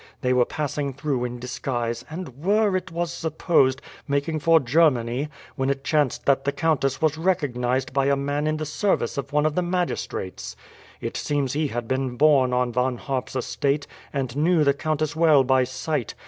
They were passing through in disguise, and were, it was supposed, making for Germany, when it chanced that the countess was recognized by a man in the service of one of the magistrates. It seems he had been born on Von Harp's estate, and knew the countess well by sight.